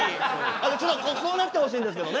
あのちょっとこうなってほしいんですけどね。